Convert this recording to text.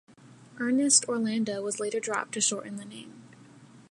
"Ernest Orlando" was later dropped to shorten the name.